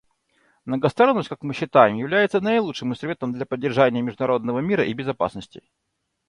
Многосторонность, как мы считаем, является наилучшим инструментом для поддержания международного мира и безопасности.